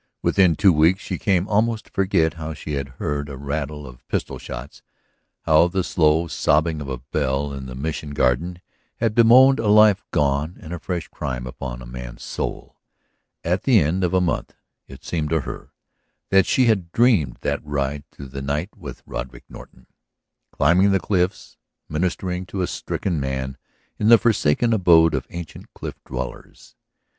Within two weeks she came almost to forget how she had heard a rattle of pistol shots, how the slow sobbing of a bell in the Mission garden had bemoaned a life gone and a fresh crime upon a man's soul; at the end of a month it seemed to her that she had dreamed that ride through the night with Roderick Norton, climbing the cliffs, ministering to a stricken man in the forsaken abode of ancient cliff dwellers.